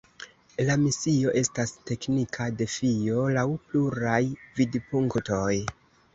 La misio estas teknika defio laŭ pluraj vidpunktoj.